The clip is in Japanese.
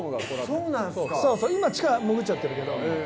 そうそう今地下潜っちゃってるけど。